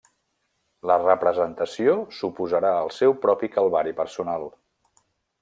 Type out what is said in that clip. La representació suposarà el seu propi calvari personal.